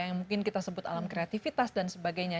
yang mungkin kita sebut alam kreativitas dan sebagainya